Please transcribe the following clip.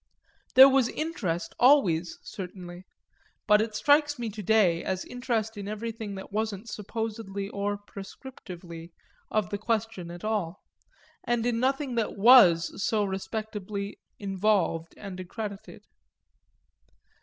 There was interest always, certainly but it strikes me to day as interest in everything that wasn't supposedly or prescriptively of the question at all, and in nothing that was so respectably involved and accredited.